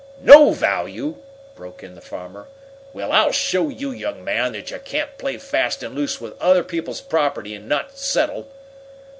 "No value!" broke in the farmer. "Well, I'll show you, young man, that you can't play fast and loose with other people's property and not settle!"